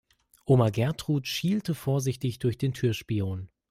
Oma Gertrud schielte vorsichtig durch den Türspion.